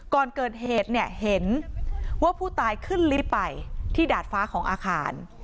ก่อนเกิดเหตุเนี่ยเห็นว่าผู้ตายขึ้นลิฟต์ไปที่ดาดฟ้าของอาคาร